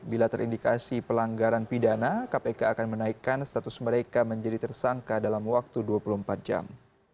bila terindikasi pelanggaran pidana kpk akan menaikkan status mereka menjadi tersangka dalam waktu dua puluh empat jam